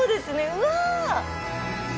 うわ。